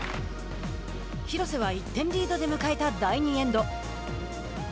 廣瀬は１点リードで迎えた第２エンド。